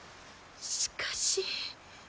しかし。